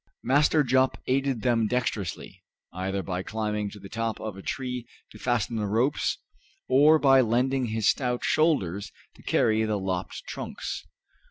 Master Jup aided them dexterously, either by climbing to the top of a tree to fasten the ropes or by lending his stout shoulders to carry the lopped trunks.